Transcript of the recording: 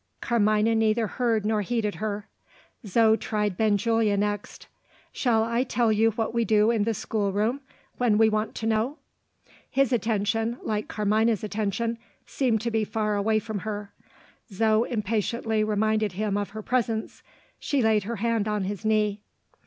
Carmina neither heard nor heeded her. Zo tried Benjulia next. "Shall I tell you what we do in the schoolroom, when we want to know?" His attention, like Carmina's attention, seemed to be far away from her. Zo impatiently reminded him of her presence she laid her hand on his knee.